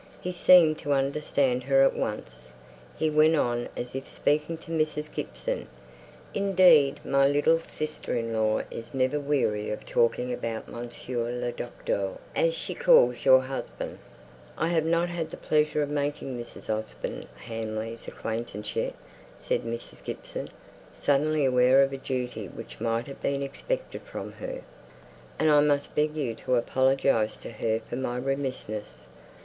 He seemed to understand her at once; he went on as if speaking to Mrs. Gibson: "Indeed, my little sister in law is never weary of talking about Monsieur le Docteur, as she calls your husband!" "I have not had the pleasure of making Mrs. Osborne Hamley's acquaintance yet," said Mrs. Gibson, suddenly aware of a duty which might have been expected from her, "and I must beg you to apologize to her for my remissness.